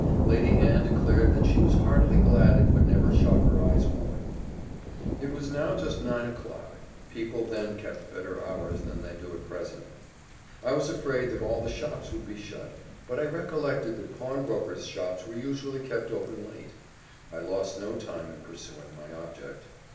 Lady Anne declared that she was heartily glad it would never shock her eyes more. It was now just nine o'clock; people then kept better hours than they do at present; I was afraid that all the shops would be shut; but I recollected that pawnbrokers' shops were usually kept open late. I lost no time in pursuing my object.